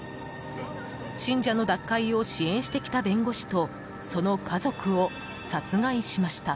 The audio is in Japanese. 信者の脱会を支援してきた弁護士とその家族を殺害しました。